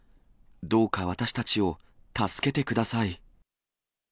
どうか私たちを助けてください。